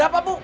ada apa bu